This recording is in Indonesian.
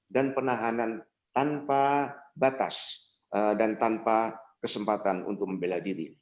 dan penahanan tanpa batas dan tanpa kesempatan untuk membela diri